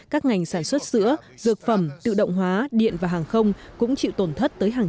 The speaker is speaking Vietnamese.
các ngành sản xuất sữa dược phẩm tự động hóa điện và hàng không cũng chịu tổn thất tới hàng